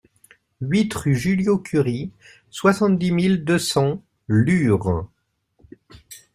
huit rue Juliot-Curie, soixante-dix mille deux cents Lure